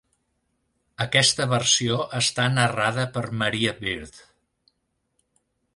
Aquesta versió està narrada per Maria Bird.